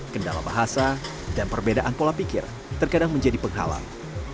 kendala bahasa dan perbedaan pola pikir terkadang menjadi penghalang